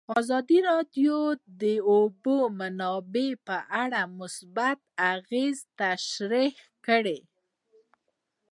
ازادي راډیو د د اوبو منابع په اړه مثبت اغېزې تشریح کړي.